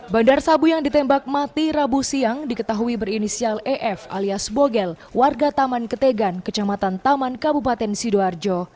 bandar sabu yang ditembak mati rabu siang diketahui berinisial ef alias bogel warga taman ketegan kecamatan taman kabupaten sidoarjo